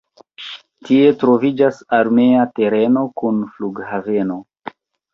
Tie troviĝas armea tereno kun flughaveno.